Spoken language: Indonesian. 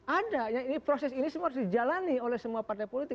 ada yang ini proses ini semua harus dijalani oleh semua partai politik